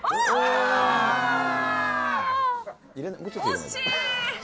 惜しい。